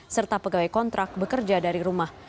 serta pegawai kontrak bekerja dari rumah